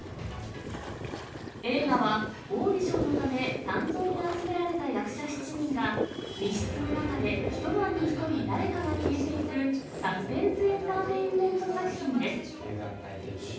映画は、オーディションのため、山荘に集められた役者７人が、密室の中で一晩に１人、誰かが消えていく、サスペンスエンターテインメント作品です。